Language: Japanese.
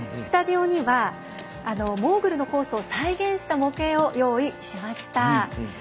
スタジオにはモーグルのコースを再現した模型を用意しました。